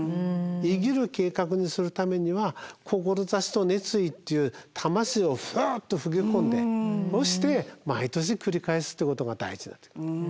生きる計画にするためには志と熱意っていう魂をフッと吹き込んでそして毎年繰り返すってことが大事だということ。